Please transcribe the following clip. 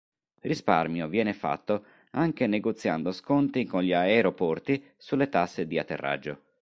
Risparmio viene fatto anche negoziando sconti con gli aeroporti sulle tasse di atterraggio.